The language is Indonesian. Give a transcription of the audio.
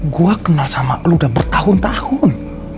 gue kenal sama lo udah bertahun tahun